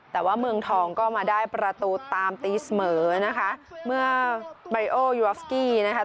แต่ว่าเมืองทองก็มาได้ประตูตามตีเสมอนะคะเมื่อนะคะ